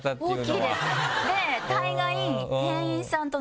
で大概。